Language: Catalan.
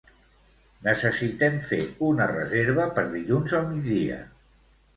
Necessitem fer una reserva per dilluns al migdia.